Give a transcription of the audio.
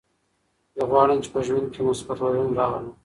زه غواړم چې په ژوند کې یو مثبت بدلون راولم.